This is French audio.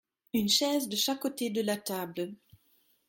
Une chaise de chaque côté de la table.